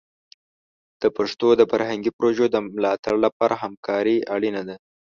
د پښتو د فرهنګي پروژو د ملاتړ لپاره همکاري اړینه ده.